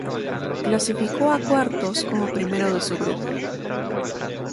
Clasificó a cuartos como primero de su grupo.